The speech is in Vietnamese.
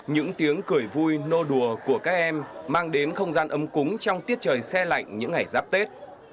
những tiếng cười vui nô đùa của các em mang đến không gian ấm cúng trong tiết trời xe lạnh những ngày giáp tết